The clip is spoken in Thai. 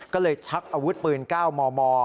ก็เลยชักอาวุธปืน๙มม